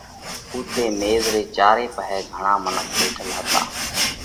اُوٿئہ ميز رئہ چاري پاهي گھڻا منک ٻيٺل هتا۔